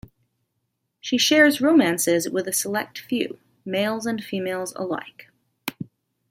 She shares romances with a select few - males and females alike.